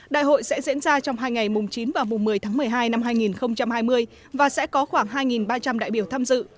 đại hội sẽ diễn ra trong hai ngày mùng chín và mùng một mươi tháng một mươi hai năm hai nghìn hai mươi và sẽ có khoảng hai ba trăm linh đại biểu tham dự